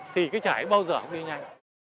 thì cái trải bao giờ không đi nhanh